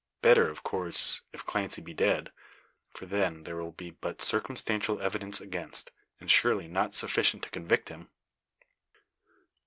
Better, of course, if Clancy be dead, for then there will be but circumstantial evidence against, and, surely, not sufficient to convict him?